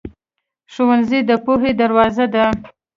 ښوونځی د پوهې دروازه ده.